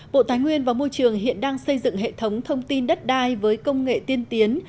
bộ tài nguyên và môi trường hiện đang xây dựng hệ thống thông tin đất đai với công nghệ tiên tiến